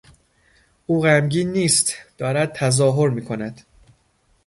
او غمگین نیست، دارد تظاهر میکند.